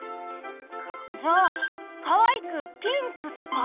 じゃあかわいくピンクとか？